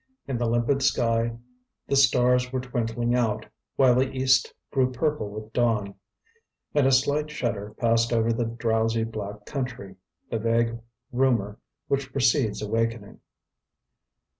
In the limpid sky the stars were twinkling out, while the east grew purple with dawn. And a slight shudder passed over the drowsy black country, the vague rumour which precedes awakening.